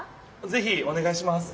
ぜひおねがいします。